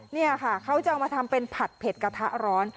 นี่ค่ะเขาจะเอามาทำเป็นผัดเผ็ดกระทะร้อน